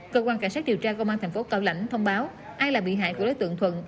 cơ quan cảnh sát điều tra công an thành phố cao lãnh thông báo ai là bị hại của đối tượng thuận